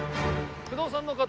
不動産の方？